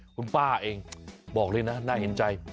คุณป้าเองบอกเลยนะน่าเห็นใจ